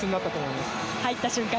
入った瞬間